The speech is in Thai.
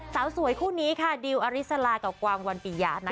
สาวสวยคู่นี้ค่ะดิวอริสลากับกวางวันปียะ